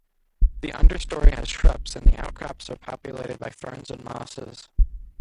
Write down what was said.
The understory has shrubs and the outcrops are populated by ferns and mosses.